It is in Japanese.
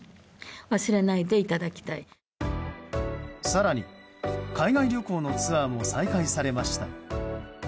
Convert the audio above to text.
更に、海外旅行のツアーも再開されました。